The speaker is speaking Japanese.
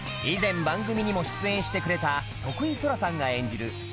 以前番組にも出演してくれた徳井青空さんが演じる